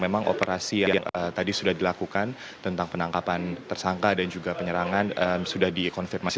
memang operasi yang tadi sudah dilakukan tentang penangkapan tersangka dan juga penyerangan sudah dikonfirmasi